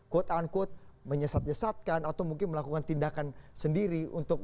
quote unquote menyesat yesatkan atau mungkin melakukan tindakan sendiri